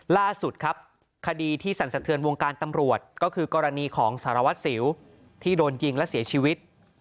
ล่าสุดครับคดีที่สั่นสะเทือนวงการตำรวจก็คือกรณีของสารวัตรสิวที่โดนยิงและเสียชีวิต